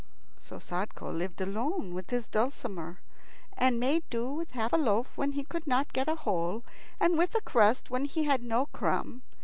So Sadko lived alone with his dulcimer, and made do with half a loaf when he could not get a whole, and with crust when he had no crumb.